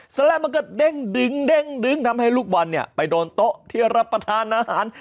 เสร็จแล้วมันก็เด้งดึงทำให้ลูกบอลเนี่ยไปโดนโต๊ะที่รับประทานอาหาร